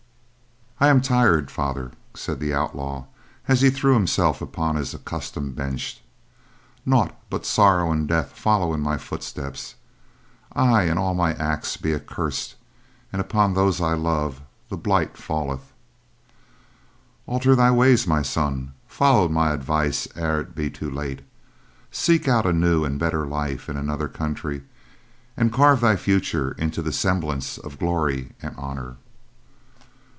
"I am tired, Father," said the outlaw as he threw himself upon his accustomed bench. "Naught but sorrow and death follow in my footsteps. I and all my acts be accurst, and upon those I love, the blight falleth." "Alter thy ways, my son; follow my advice ere it be too late. Seek out a new and better life in another country and carve thy future into the semblance of glory and honor."